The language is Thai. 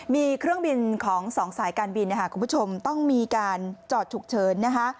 มีเครื่องบินของสองสายการบินคุณผู้ชมต้องมีการจอดถูกเชิญ